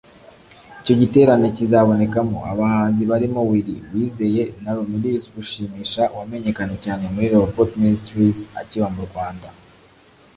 Icyo giterane kizabonekamo abahanzi barimo Willly Uwizeye na Romulus Rushimisha wamenyekanye cyane muri Rehoboth Ministries akiba mu Rwanda